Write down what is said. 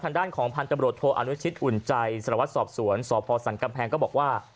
ทางด้านของพันธบรวจโทอนุชิตอุ่นใจสารวัตรสอบสวนสพสันกำแพงก็บอกว่า